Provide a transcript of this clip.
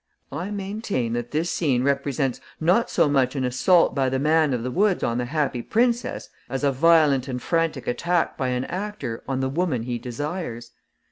I maintain that this scene represents not so much an assault by the man of the woods on the Happy Princess as a violent and frantic attack by an actor on the woman he desires.